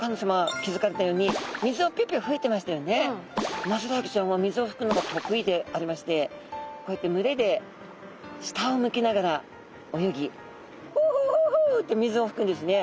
ウマヅラハギちゃんは水をふくのがとくいでありましてこうやって群れで下をむきながら泳ぎふふふふって水をふくんですね。